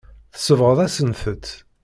Tsebɣeḍ-asent-t.